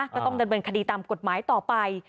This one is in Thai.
ก็ต้องดำเนินคดีตามกฎหมายต่อไป